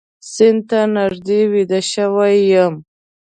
سیند ته نږدې ویده شوی یم